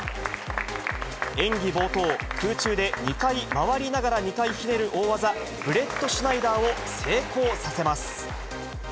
演技冒頭、空中で２回回りながら２回ひねる大技、ブレットシュナイダーを成功させます。